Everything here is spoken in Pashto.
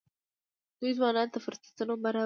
دوی ځوانانو ته فرصتونه برابروي.